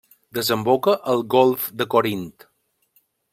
Desemboca al Golf de Corint.